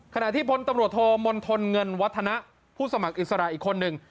ขณะที่พลตำรวจโทมณฑลเงินวัฒนะผู้สมัครอิสระอีกคนหนึ่ง